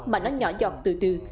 mà nó nhỏ dọt từ từ